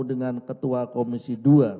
dengan ketua komisi dua